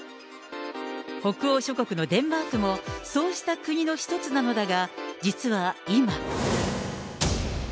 北欧諸国のデンマークも、そうした国の一つなのだが、実は今。